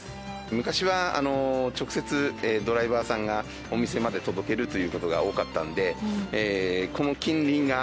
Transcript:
昔は直接ドライバーさんがお店まで届けるという事が多かったので。